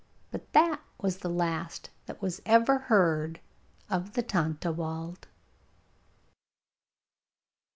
But that was the last that was ever heard of the Tontlawald.